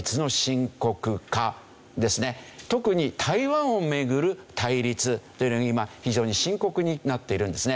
特に台湾をめぐる対立というのが今非常に深刻になっているんですね。